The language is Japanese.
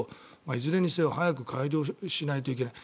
いずれにせよ早く改良しないといけない。